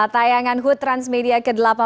tayangan hut transmedia ke delapan belas